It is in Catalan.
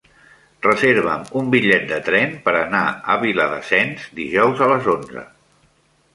Reserva'm un bitllet de tren per anar a Viladasens dijous a les onze.